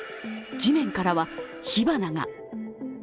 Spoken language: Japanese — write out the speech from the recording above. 地面からは火花が。